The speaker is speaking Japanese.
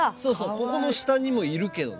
ここの下にもいるけどね。